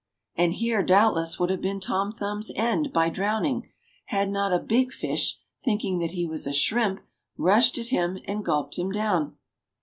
And here, doubtless, would have been Tom Thumb's end by drowning, had not a big fish, thinking that he was a shrimp, rushed at him and gulped him down